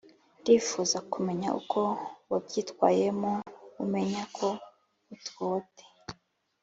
ndifuza kumenya uko wabyitwayemo umenya ko utwote